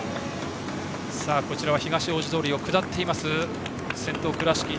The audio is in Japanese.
こちらは東大路通を下っている先頭の倉敷。